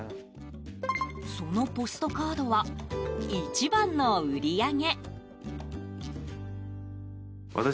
そのポストカードは一番の売り上げ。